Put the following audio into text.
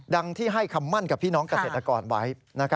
ที่ให้คำมั่นกับพี่น้องเกษตรกรไว้